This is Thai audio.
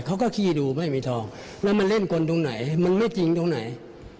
ขี้ดูไม่มีทองแล้วมันเล่นกลตรงไหนมันไม่จริงตรงไหน